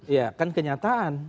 iya kan kenyataan